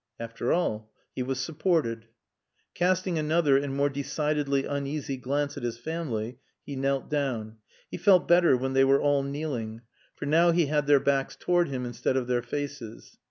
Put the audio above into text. '" (After all, he was supported.) Casting another and more decidedly uneasy glance at his family, he knelt down. He felt better when they were all kneeling, for now he had their backs toward him instead of their faces.